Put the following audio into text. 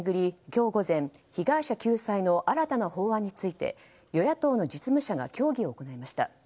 今日午前被害者救済の新たな法案について与野党の実務者が協議を行いました。